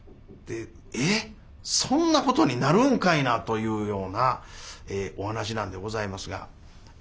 えっそんなことになるんかいなというようなお噺なんでございますが。